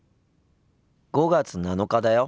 ５月７日だよ。